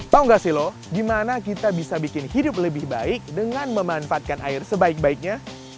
tau gak sih loh gimana kita bisa bikin hidup lebih baik dengan memanfaatkan air sebaik baiknya